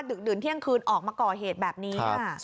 ก็เรียนหนังสืออยู่ด้วยกับผมนี่